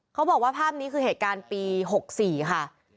เขาบอกว่าภาพนี้คือเหตุการณ์ปี๖๔ค่ะ